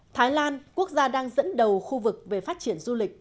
thái lan quốc gia đang dẫn đầu khu vực về phát triển du lịch